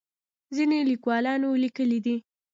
ځینو لیکوالانو لیکلي دي.